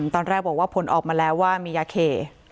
ตอนแรกบอกว่าผลออกมาแล้วว่ามียาเค